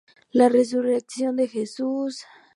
La resurrección de Jesús.